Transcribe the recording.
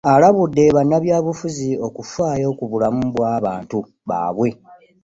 Ono alabudde bannabyabufuzi okufaayo ku bulamu bw’abantu baabwe